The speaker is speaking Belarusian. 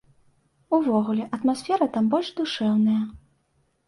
Увогуле, атмасфера там больш душэўная.